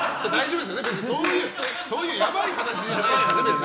そういうやばい話じゃないですよね。